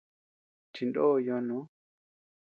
Chinó yoo noo.